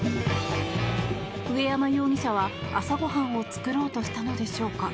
上山容疑者は朝ご飯を作ろうとしたのでしょうか